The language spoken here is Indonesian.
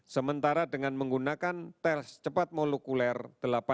sementara dengan menggunakan tes cepat molekuler kita dapatkan tiga belas dua puluh enam